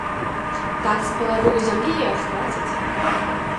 Так з палавіну зямлі і адхвацяць.